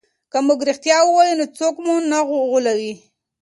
که موږ رښتیا ووایو نو څوک مو نه غولوي.